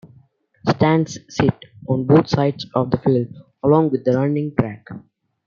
Stands sit on both sides of the field along with a running track.